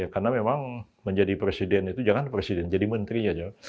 karena memang menjadi presiden itu jangan presiden jadi menterinya